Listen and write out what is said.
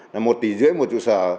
là một tỷ rưỡi một trụ sở